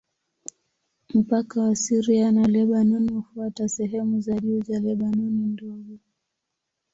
Mpaka wa Syria na Lebanoni hufuata sehemu za juu za Lebanoni Ndogo.